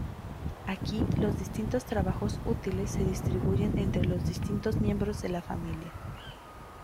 Aquí los distintos trabajos útiles se distribuyen entre los distintos miembros de la familia.